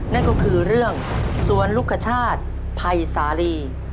นั่นก็คือเรื่องสวนลูกคชาติภัยสาลี